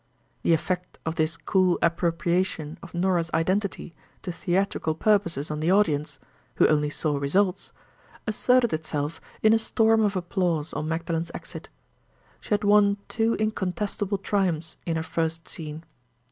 The effect of this cool appropriation of Norah's identity to theatrical purposes on the audience—who only saw results—asserted itself in a storm of applause on Magdalen's exit. She had won two incontestable triumphs in her first scene.